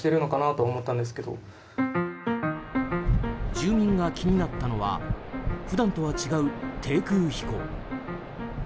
住民が気になったのは普段とは違う低空飛行。